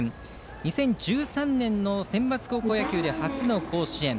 ２０１３年のセンバツ高校野球で初の甲子園。